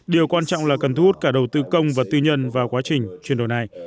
điều quan trọng là cần thu hút cả đầu tư công và tư nhân vào quá trình chuyển đổi này